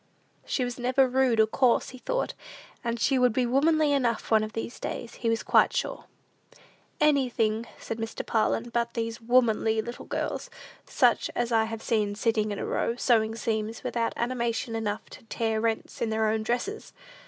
She was never rude or coarse, he thought; and she would be womanly enough one of these days, he was quite sure. "Anything," said Mr. Parlin, "but these womanly little girls, such as I have seen sitting in a row, sewing seams, without animation enough to tear rents in their own dresses!